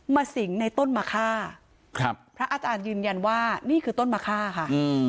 สิงในต้นมะค่าครับพระอาจารย์ยืนยันว่านี่คือต้นมะค่าค่ะ